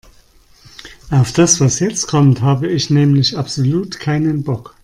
Auf das, was jetzt kommt, habe ich nämlich absolut keinen Bock.